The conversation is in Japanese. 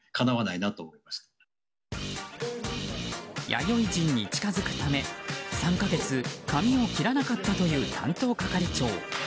弥生人に近づくため３か月、髪を切らなかったという担当係長。